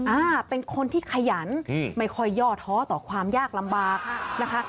อ่าเป็นคนที่ขยันอืมไม่ค่อยย่อท้อต่อความยากลำบากนะคะ